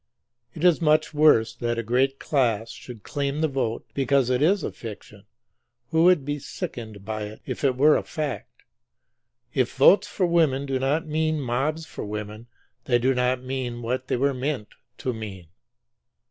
It is much worse that a great class should claim the vote be cause it is a fiction, who would be sickened by it if it were a fact. If votes for women do not mean mobs for women they do not mean what they were meant to mean.